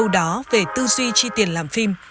đó về tư duy chi tiền làm phim